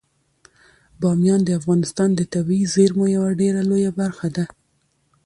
بامیان د افغانستان د طبیعي زیرمو یوه ډیره لویه برخه ده.